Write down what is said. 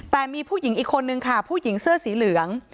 แต่มีผู้หญิงอีกคนนึงค่ะผู้หญิงเสื้อสีเหลือง